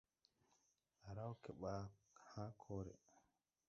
A raw keɓaa hãã kore.